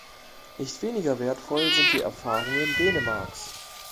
Nicht weniger wertvoll sind die Erfahrungen Dänemarks.